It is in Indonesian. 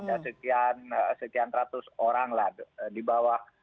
ada sekian ratus orang lah di bawah